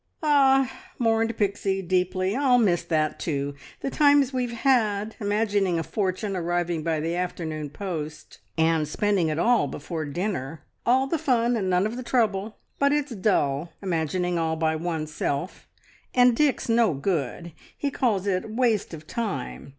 "Ah!" mourned Pixie deeply, "I'll miss that, too! The times we've had, imagining a fortune arriving by the afternoon post, and spending it all before dinner! All the fun, and none of the trouble. But it's dull, imagining all by oneself! And Dick's no good. He calls it waste of time!